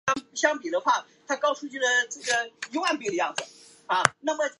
亮鳞肋毛蕨为叉蕨科肋毛蕨属下的一个种。